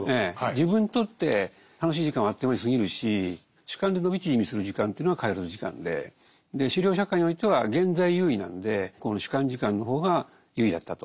自分にとって楽しい時間はあっという間に過ぎるし主観で伸び縮みする時間というのがカイロス時間で狩猟社会においては現在優位なのでこの主観時間の方が優位だったと。